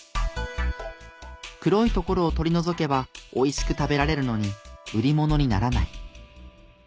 黒い所を取り除けばおいしく食べられるのに売り物にならない。